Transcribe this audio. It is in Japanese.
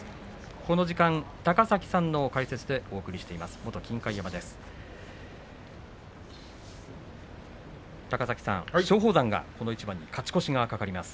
この時間、高崎さんの解説でお送りしています。